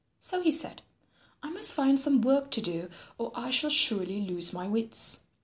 So he said, "I must find some work to do or I shall surely lose my wits.